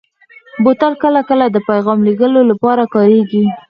بوتل کله کله د پیغام لېږلو لپاره کارېږي.